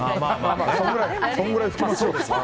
それぐらい拭きましょうよ。